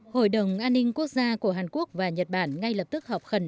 hội đồng an ninh quốc gia của hàn quốc và nhật bản ngay lập tức họp khẩn